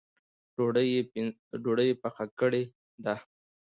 ډوډۍ یې پخه کړې ده؟